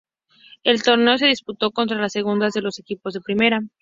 El torneo se disputó contra las segundas de los equipos de primera.